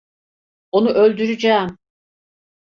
Onu öldüreceğim.